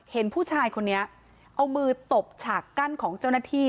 เห็นผู้ชายคนนี้เอามือตบฉากกั้นของเจ้าหน้าที่